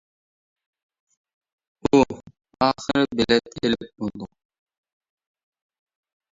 ئۇھ... ئاخىرى بېلەت ئېلىپ بولدۇق.